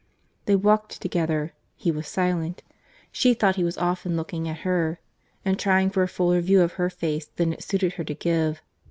They walked together. He was silent. She thought he was often looking at her, and trying for a fuller view of her face than it suited her to give.